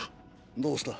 どうした？